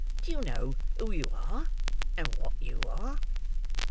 Do you know who you are, and what you are?"